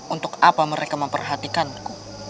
untuk apa mereka memperhatikanku